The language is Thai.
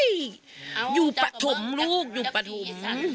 ไม่มีโอ้ยยยอยู่ประถมลูกอยู่ประถม